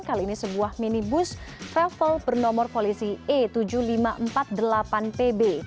kali ini sebuah minibus travel bernomor polisi e tujuh ribu lima ratus empat puluh delapan pb